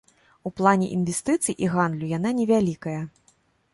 У плане інвестыцый і гандлю яна невялікая.